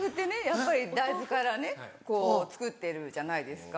やっぱり大豆から作ってるじゃないですか。